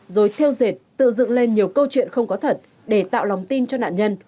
rồi theo dệt tự dựng lên nhiều câu chuyện không có thật để tạo lòng tin cho nạn nhân